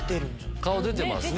顔出てますね。